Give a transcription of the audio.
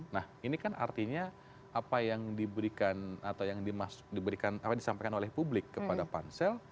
nah ini kan artinya apa yang diberikan atau yang disampaikan oleh pansel